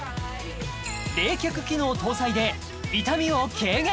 冷却機能搭載で痛みを軽減！